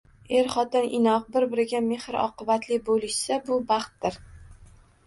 Er-xotin inoq, bir-biriga mehr-oqibatli bo‘lishsa bu baxtdir